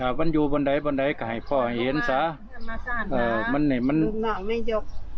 อ่ามันอยู่บนใดบนใดกะให้พ่อเห็นซะเอ่อมันเนี่ยมันไม่ยก